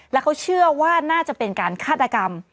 แล้วเขาเชื่อว่าน่าจะเป็นการฆาตกรรม